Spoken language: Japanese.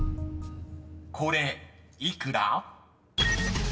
［これ幾ら？］